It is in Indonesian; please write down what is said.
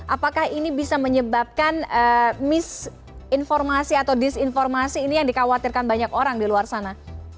apakah ini bisa menyebabkan misinformasi atau disinformasi ini yang dikhawatirkan banyak orang di luar sana